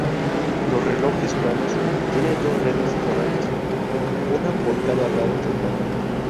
Los relojes planos tienen dos redes horarias, una por cada lado del cuadrante.